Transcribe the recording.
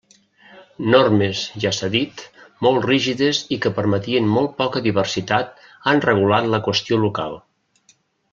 Normes, ja s'ha dit, molt rígides i que permetien molt poca diversitat han regulat la qüestió local.